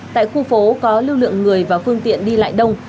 tại khu phố có lưu lượng người và phương tiện đi lại đông